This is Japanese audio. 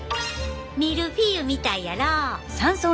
ミルフィーユみたいやろ。